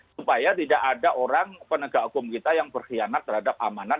supaya tidak ada orang penegak hukum kita yang berkhianat terhadap amanat